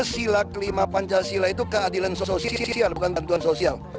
sila kelima pancasila itu keadilan sosial bukan bantuan sosial